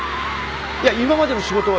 いや今までの仕事は。